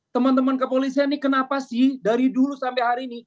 teman teman kepolisian ini kenapa sih dari dulu sampai hari ini